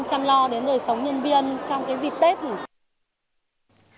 chăm lo đến nơi sống nhân viên trong cái dịp tết này